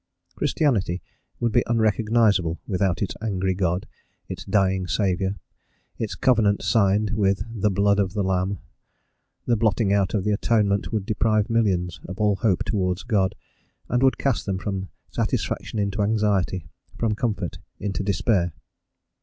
Christianity would be unrecognisable without its angry God, its dying Saviour, its covenant signed with "the blood of the Lamb:" the blotting out of the Atonement would deprive millions of all hope towards God, and would cast them from satisfaction into anxiety from comfort into despair.